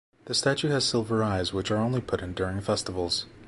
The statue has silver eyes which are only put in during festivals.